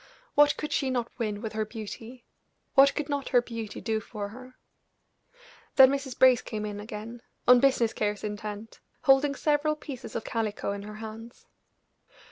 What could she not win with her beauty what could not her beauty do for her. Then Mrs. Brace came in again on business cares intent, holding several pieces of calico in her hands.